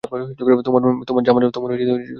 তোমার যা মন চাই তাই করো।